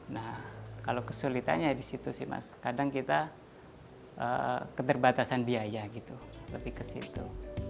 nah kalau kesulitannya di situ sih mas kadang kita keterbatasan biaya gitu lebih ke situ